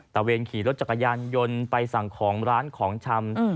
เวรขี่รถจักรยานยนต์ไปสั่งของร้านของชำ